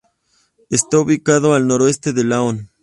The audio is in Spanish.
Está ubicada a al noreste de Laon.